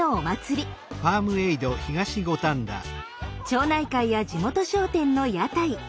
町内会や地元商店の屋台。